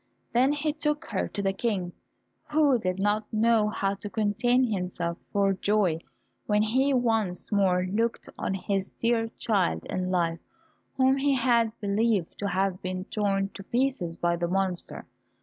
Then he took her to the King, who did not know how to contain himself for joy when he once more looked on his dear child in life, whom he had believed to have been torn to pieces by the monster.